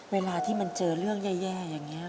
เวลาที่มันเจอเรื่องแย่อย่างนี้